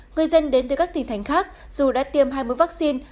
người dân đến từ các tỉnh thành khác dù đã tiêm hai mươi vaccine